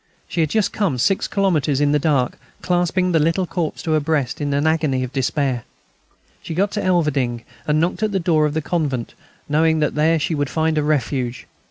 She had just come six kilometres in the dark, clasping the little corpse to her breast in an agony of despair. She got to Elverdinghe, and knocked at the door of the convent, knowing that there she would find a refuge.